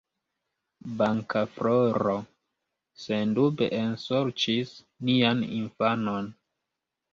Bankafloro sendube ensorĉis nian infanon.